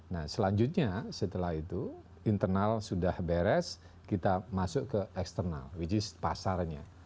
nah selanjutnya setelah itu internal sudah beres kita masuk ke eksternal which is pasarnya